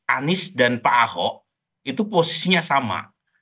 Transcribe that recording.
anies dan pak ahok itu posisinya sama